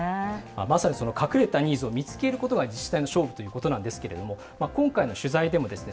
まさにその隠れたニーズを見つけることが自治体の勝負ということなんですけれども今回の取材でもですね